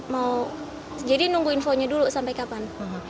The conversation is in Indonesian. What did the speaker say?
mau jadi nunggu infonya dulu sampai kapan